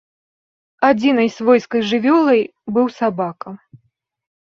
Адзінай свойскай жывёлай быў сабака.